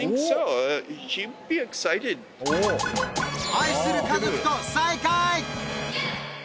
愛する家族と再会！